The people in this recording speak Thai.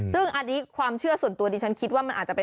ซึ่งอันนี้ความเชื่อส่วนตัวดิฉันคิดว่ามันอาจจะเป็น